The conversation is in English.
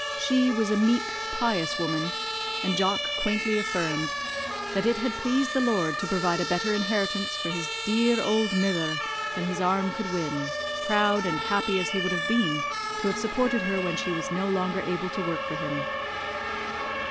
She was a meek, pious woman, and Jock quaintly affirmed, 'That it had pleased the Lord to provide a better inheritance for his dear auld mither than his arm could win, proud and happy as he would have been to have supported her when she was no longer able to work for him.'